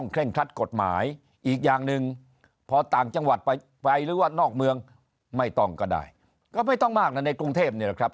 ก็ไม่ต้องก็ได้ก็ไม่ต้องมากนะในกรุงเทพเนี่ยแหละครับ